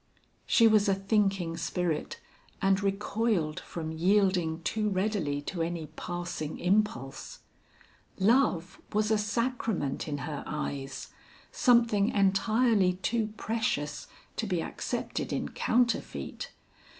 She was a thinking spirit and recoiled from yielding too readily to any passing impulse. Love was a sacrament in her eyes; something entirely too precious to be accepted in counterfeit.